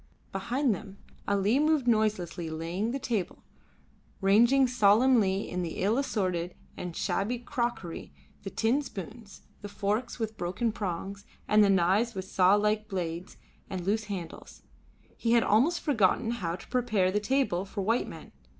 Behind them Ali moved noiselessly laying the table, ranging solemnly the ill assorted and shabby crockery, the tin spoons, the forks with broken prongs, and the knives with saw like blades and loose handles. He had almost forgotten how to prepare the table for white men.